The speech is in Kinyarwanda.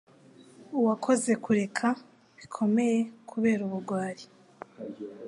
uwakoze kureka bikomeye kubera ubugwari